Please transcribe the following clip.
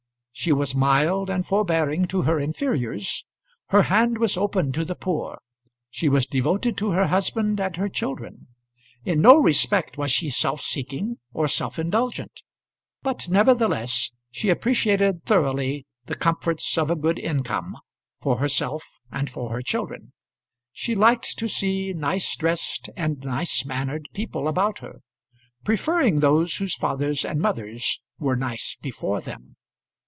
She was mild and forbearing to her inferiors. Her hand was open to the poor. She was devoted to her husband and her children. In no respect was she self seeking or self indulgent. But, nevertheless, she appreciated thoroughly the comforts of a good income for herself and for her children. She liked to see nice dressed and nice mannered people about her, preferring those whose fathers and mothers were nice before them.